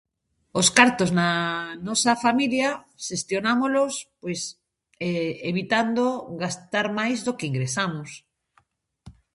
Os cartos na nosa familia xestionámolos, pois evitando gastar máis do que ingresamos.